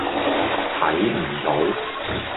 睇唔到